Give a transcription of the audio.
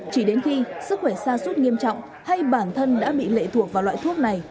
chỉ đến khi sức khỏe xa suốt nghiêm trọng hay bản thân đã bị lệ thuộc vào loại thuốc này